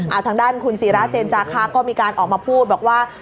อ่ะทางด้านคุณศิราเจนจะค่ะก็ออกมาพูดแบบว่า